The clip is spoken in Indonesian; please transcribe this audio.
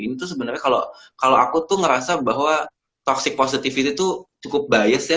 ini tuh sebenarnya kalau aku tuh ngerasa bahwa toxic positivity tuh cukup bias ya